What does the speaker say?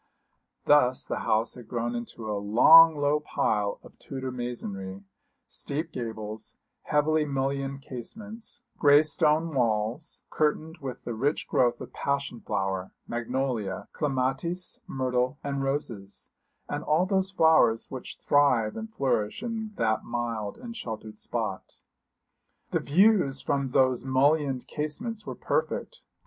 Thus the house had grown into a long low pile of Tudor masonry steep gables, heavily mullioned casements, grey stone walls, curtained with the rich growth of passion flower, magnolia, clematis, myrtle and roses and all those flowers which thrive and flourish in that mild and sheltered spot. The views from those mullioned casements were perfect.